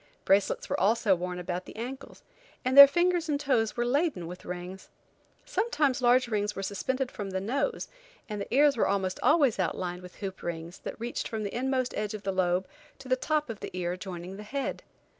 Bracelets were also worn about the ankles, and their fingers and toes were laden with rings. Sometimes large rings were suspended from the nose, and the ears were almost always outlined with hoop rings, that reached from the inmost edge of the lobe to the top of the ear joining the head.